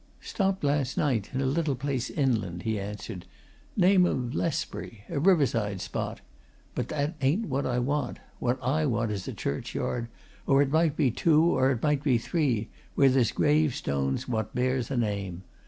"Stopped last night in a little place, inland," he answered. "Name of Lesbury a riverside spot. But that ain't what I want what I want is a churchyard, or it might be two, or it might be three, where there's gravestones what bears a name.